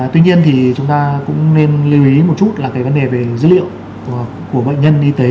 tuy nhiên thì chúng ta cũng nên lưu ý một chút là cái vấn đề về dữ liệu của bệnh nhân y tế